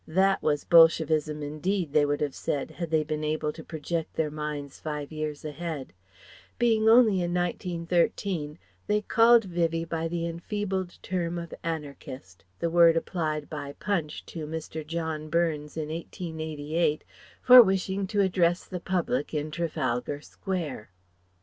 That was Bolshevism, indeed, they would have said, had they been able to project their minds five years ahead. Being only in 1913 they called Vivie by the enfeebled term of Anarchist, the word applied by Punch to Mr. John Burns in 1888 for wishing to address the Public in Trafalgar Square.